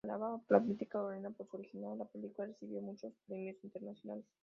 Alabada por la crítica coreana por su originalidad, la película recibió muchos premios internacionales.